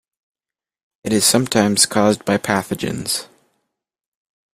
It is sometimes caused by pathogens.